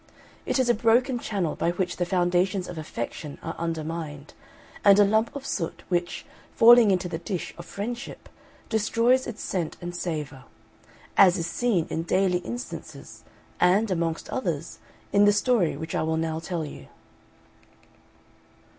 It is a broken channel by which the foundations of affection are undermined; and a lump of soot, which, falling into the dish of friendship, destroys its scent and savour as is seen in daily instances, and, amongst others, in the story which I will now tell you.